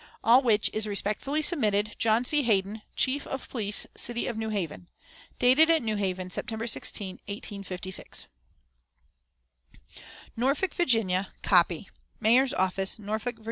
"All which is respectfully submitted. "JOHN C. HAYDEN, "Chief of Police City of New Haven. "Dated at New Haven, September 16, 1856." NORFOLK, VA. (Copy.) "Mayor's Office, Norfolk, Va.